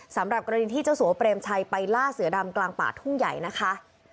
สำหรับกรณีที่เจ้าสัวเปรมชัยไปล่าเสือดำกลางป่าทุ่งใหญ่นะคะ